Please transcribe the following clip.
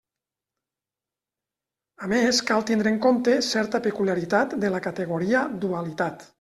A més, cal tindre en compte certa peculiaritat de la categoria «dualitat».